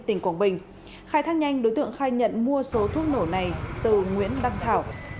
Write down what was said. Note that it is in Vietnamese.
tỉnh quảng bình khai thác nhanh đối tượng khai nhận mua số thuốc nổ này từ nguyễn đăng thảo